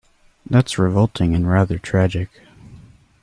That's revolting and rather tragic.